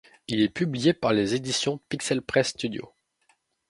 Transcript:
Il est publié par les éditions Pixel Press Studio.